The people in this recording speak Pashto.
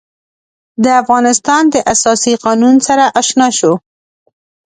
د افغانستان د اساسي قانون سره آشنا شو.